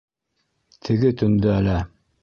Теге төндә лә...